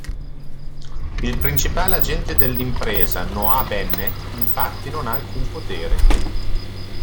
Il principale agente dell'Impresa, Noah Bennet, infatti non ha alcun potere.